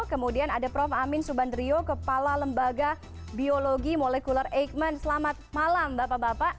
kemudian ada prof amin subandrio kepala lembaga biologi molekuler eijkman selamat malam bapak bapak